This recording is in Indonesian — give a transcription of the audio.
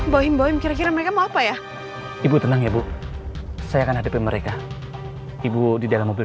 boim boeing kira kira mereka mau apa ya ibu tenang ya bu saya akan hadapi mereka ibu di dalam mobil